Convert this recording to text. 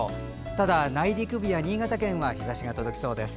ただ、内陸部や新潟県は日ざしが届きそうです。